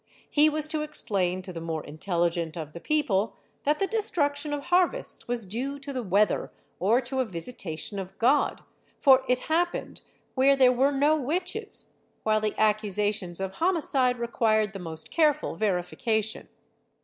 He was to explain to the more intelligent of the people that the destruction of harvests w^as due to the weather or to a visitation of God, for it happened w^here there were no witches, wdiile the accusations of homicide required the most careful verification.